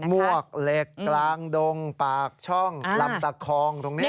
มวกเหล็กกลางดงปากช่องลำตะคองตรงนี้